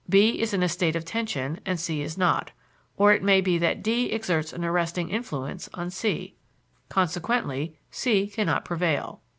B is in a state of tension and C is not; or it may be that D exerts an arresting influence on C. Consequently C cannot prevail.